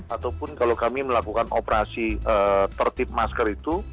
ataupun kalau kami melakukan operasi tertib masker itu